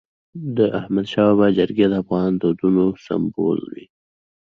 د احمدشاه بابا جرګي د افغان دودونو سمبول وي.